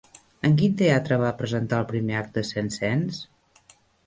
En quin teatre va presentar el primer acte Saint-Saëns?